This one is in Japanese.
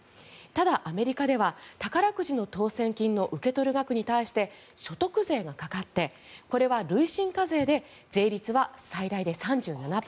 ただアメリカでは宝くじの当選金の受け取る額に対して所得税がかかってこれは累進課税で税率は最大で３７％。